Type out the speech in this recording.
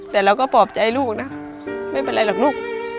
แต่เราก็ปลอบใจลูกนะไม่เป็นไรหรอกลูก